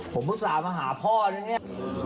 ผมพลุกศาลมาหาพ่อนี่เนี่ย